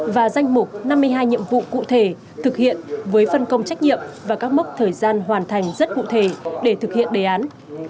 và danh mục năm mươi hai nhiệm vụ cụ thể thực hiện với phân công trách nhiệm và các mốc thời gian hoàn thành rất cụ thể để thực hiện đề án